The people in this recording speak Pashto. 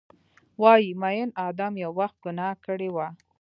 وایې ، میین ادم یو وخت ګناه کړي وه